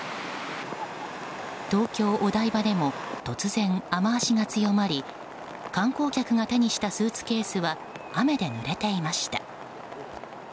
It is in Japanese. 東京・お台場でも突然、雨脚が強まり観光客が手にしたスーツケースは雨でぬれていました。